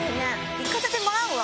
行かせてもらうわ。